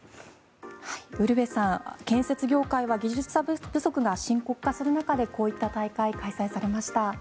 ウルヴェさん、建設業界は技術者不足が深刻化する中でこういった大会開催されました。